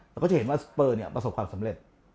เราก็จะเห็นว่าสเปอร์เนี่ยประสบความสำเร็จ